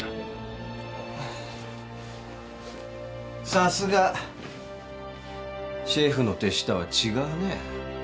・さすがシェフの手下は違うね